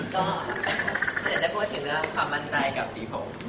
ก็อยากจะพูดถึงเรื่องความมั่นใจกับสีผม